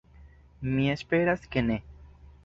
Mi esperas, ke ne.